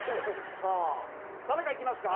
さあ田中いきますか。